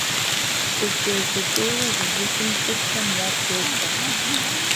ӀукӀей-щӀыкӀейуэ зызыщӀым цӀыхухэм ягу йобгъэ.